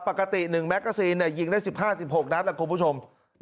ปกติ๑แม็กซ์ก็ซีนยิงได้๑๕๑๖นัทนะครับคุณผู้ชม